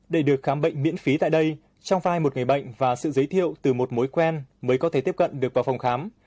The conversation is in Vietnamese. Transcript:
để được khám bệnh miễn phí tại đây trong vai một người bệnh và sự giới thiệu từ một mối quen mới có thể tiếp cận được vào phòng khám